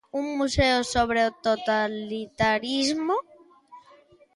Un museo sobre o totalitarismo?